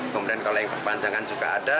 kemudian kalau yang perpanjangan juga ada